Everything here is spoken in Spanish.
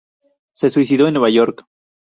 Se suicidó en Nueva York.